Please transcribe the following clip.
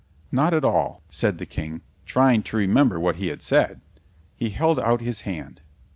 "Not at all," said the King, trying to remember what he had said. He held out his hand.